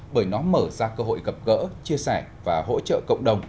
bởi nó mở ra cơ hội gặp gỡ chia sẻ và hỗ trợ cộng đồng